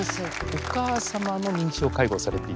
お母様の認知症介護をされていたんですね。